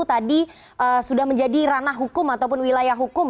tadi sudah menjadi ranah hukum ataupun wilayah hukum